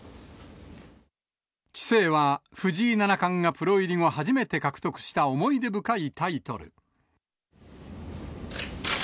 棋聖は、藤井七冠がプロ入り後初めて獲得した思い出深いタイトル。